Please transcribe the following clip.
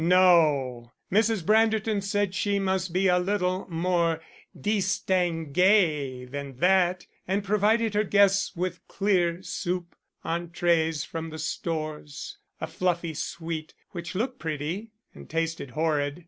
No, Mrs. Branderton said she must be a little more "distangay" than that, and provided her guests with clear soup, entrees from the Stores, a fluffy sweet which looked pretty and tasted horrid.